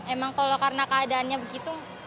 emang kalau karena keadaannya begitu